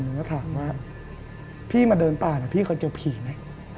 ไม่ถามว่าพี่มาเดินปากนะพี่เคยเจอผีไหม